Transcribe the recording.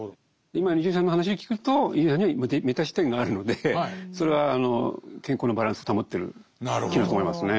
今の伊集院さんの話を聞くと伊集院さんにはメタ視点があるのでそれは健康のバランスを保ってる機能だと思いますね。